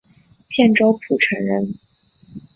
建州浦城人。